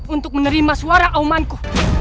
untuk menerima suara aumanku